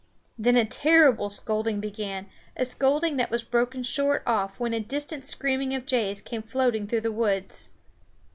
Then a terrible scolding began, a scolding that was broken short off when a distant screaming of jays came floating through the woods.